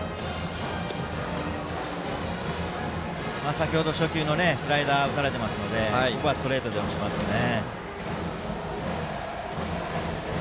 先程、初球のスライダーを打たれていますのでここはストレートで押しますかね。